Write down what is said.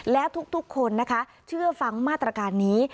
แล้วทุกคนนะคะเชื่อฟังมาตรการนี้